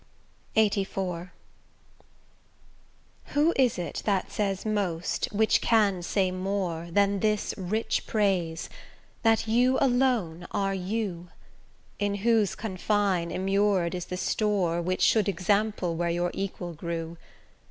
LXXXIV Who is it that says most, which can say more, Than this rich praise: that you alone are you, In whose confine immured is the store Which should example where your equal grew.